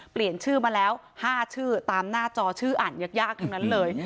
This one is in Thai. เปลี่ยนชื่อมาแล้ว๕ชื่อตามหน้าจอชื่ออ่านยากทั้งนั้นเลย